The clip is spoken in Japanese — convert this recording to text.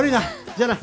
じゃあな。